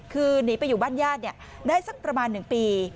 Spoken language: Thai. คือหนีไปอยู่บ้านญาติเนี่ยได้สักประมาณหนึ่งปี